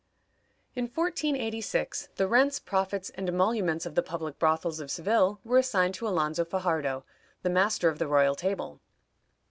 In 1486, the rents, profits and emoluments of the public brothels of Seville were assigned to Alonzo Fajardo, the master of the royal table.